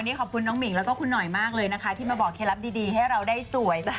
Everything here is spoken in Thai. นี่ขอบคุณน้องหมิ่งแล้วก็คุณหน่อยมากเลยนะคะที่มาบอกเคลับดีให้เราได้สวย